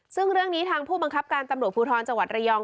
ซึ่งเรื่องนี้ทางผู้บังคับการตำรวจภูทรจังหวัดระยอง